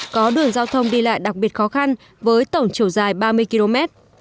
có đường giao thông đi lại đặc biệt khó khăn với tổng chiều dài ba mươi km